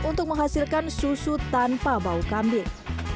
untuk menghasilkan susu tanpa bau kambing